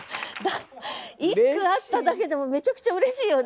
１句あっただけでもめちゃくちゃうれしいよね？